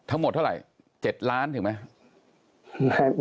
ทั้งหมดเท่าไหร่๗ล้านถึงไหม